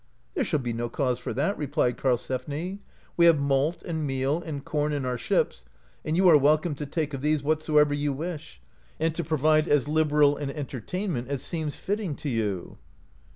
"There shall be no cause for that," replied Karlsefni, "we have malt, and meal, and com in our ships, and you are welcome to take of these whatsoever you wish, and to provide as liberal an entertainment as seems fitting to you."